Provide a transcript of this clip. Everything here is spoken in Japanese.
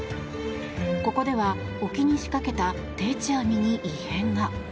ここでは沖に仕掛けた定置網に異変が。